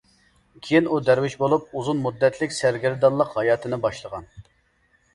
كېيىن ئۇ دەرۋىش بولۇپ، ئۇزۇن مۇددەتلىك سەرگەردانلىق ھاياتىنى باشلىغان.